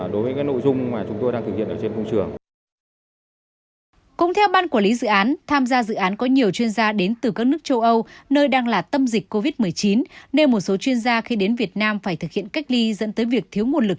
đối với các nội dung mà chúng tôi đang thực hiện ở trên công trường